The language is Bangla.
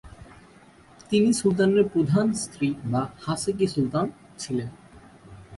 তিনি সুলতানের প্রধান স্ত্রী বা "হাসেকি সুলতান" ছিলেন।